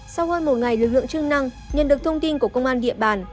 sau hơn một ngày lực lượng chức năng nhận được thông tin của công an địa bàn